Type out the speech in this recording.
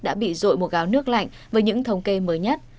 đã bị rội một gáo nước lạnh với những thống kê mới nhất